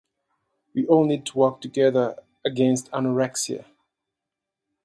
We all need to work together against anorexia.